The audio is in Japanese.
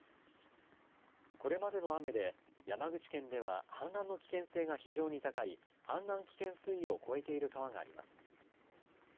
これまでの雨で山口県では氾濫の危険性が非常に高い氾濫危険水位を超えている川があります。